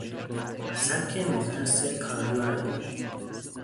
سبک مختص کارلایل